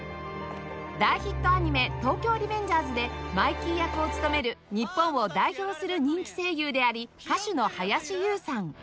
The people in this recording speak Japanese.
大ヒットアニメ『東京リベンジャーズ』でマイキー役を務める日本を代表する人気声優であり歌手の林勇さん